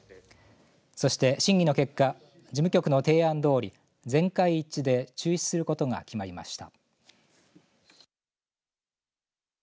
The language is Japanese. そして審議の結果事務局の提案どおり全会一致で中止することが決まりました。